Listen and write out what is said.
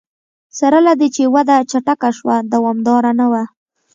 سره له دې چې وده چټکه شوه دوامداره نه وه.